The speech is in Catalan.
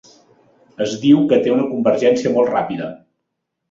Es diu que té una convergència molt ràpida.